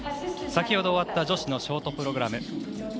先ほど終わった女子ショートプログラム。